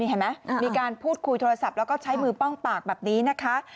เห็นไหมมีการพูดคุยโทรศัพท์แล้วก็ใช้มือป้องปากแบบนี้นะคะ